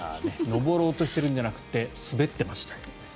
上ろうとしているんじゃなくて滑ってました。